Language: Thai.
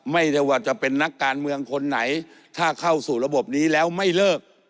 ไม่ได้ว่าจะเป็นนักการเมืองคนไหนถ้าเข้าสู่ระบบนี้แล้วไม่เลิก